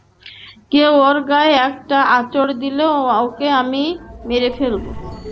কেউ ওর গায়ে একটা আঁচড় দিলেও ওকে আমি মেরে ফেলব!